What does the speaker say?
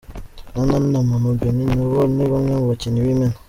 Nana na Mama Beni nabo ni bamwe mu bakinnyi b'imena.